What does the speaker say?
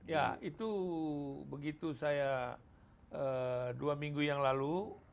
ya itu begitu saya dua minggu yang lalu